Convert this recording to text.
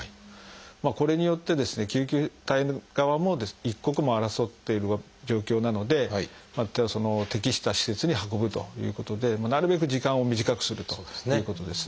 これによってですね救急隊の側も一刻を争っている状況なのでまたその適した施設に運ぶということでなるべく時間を短くするということですね。